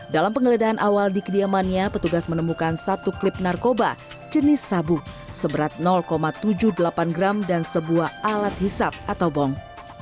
dalam penggeledahan awal di kediamannya petugas menemukan satu klip narkoba jenis sabu seberat tujuh puluh delapan gram dan sebuah alat hisap atau bong